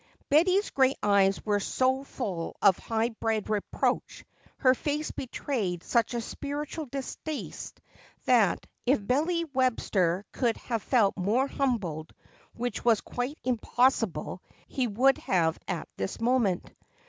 Betty's gray eyes were so full of high bred reproach, her face betrayed such a spiritual distaste that, if Billy Webster could have felt more humbled, which was quite impossible, he would have at this moment.